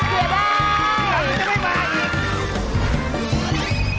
พี่จะไม่มาอีก